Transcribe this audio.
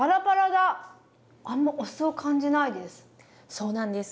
そうなんです。